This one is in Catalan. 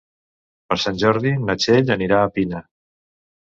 Per Sant Jordi na Txell anirà a Pina.